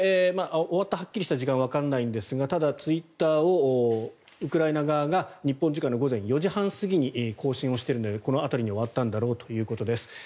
終わったはっきりした時間はわからないんですがただ、ツイッターをウクライナ側が日本時間午前４時半過ぎに更新をしているのでこの辺りにあったんだろうということです。